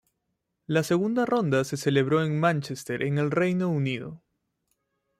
La segunda ronda se celebró en Manchester en el Reino Unido.